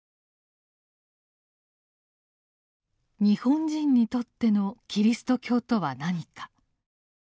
日本人にとってのキリスト教とは何か。